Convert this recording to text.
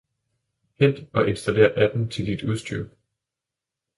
Hent og installer appen til dit udstyr.